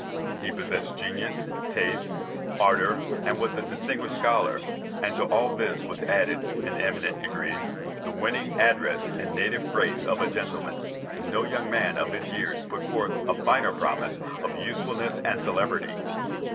He possessed genius, taste, ardour, was a distinguished scholar, and to all this was added, in an eminent degree, the winning address and native grace of a gentleman. No young man of his years put forth a finer promise of usefulness and celebrity.